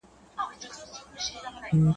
o لويي له خداى سره ښايي.